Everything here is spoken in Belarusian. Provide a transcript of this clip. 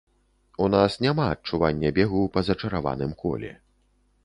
У нас няма адчування бегу па зачараваным коле.